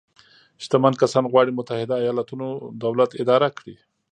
شتمن کسان غواړي متحده ایالتونو دولت اداره کړي.